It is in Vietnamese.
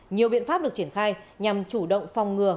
nhiều biện pháp được triển khai nhằm chủ động phòng ngừa